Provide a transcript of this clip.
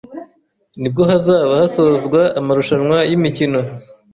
ni bwo hazaba hasozwa amarushanwa y’imikino